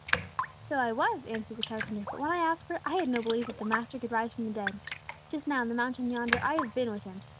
"So I was," answered the carpenter; "but when I asked for it, I had no belief that the Master could rise from the dead. Just now, on the mountain yonder, I have been with Him.